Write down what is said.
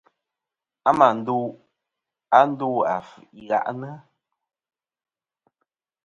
A mà ndu a ndo afvɨ i ghaʼnɨ.